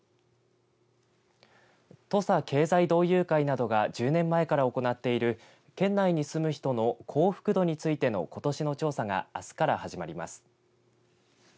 土佐経済同友会などが１０年前から行っている県内に住む人の幸福度についてのことしの調査があすから始まります。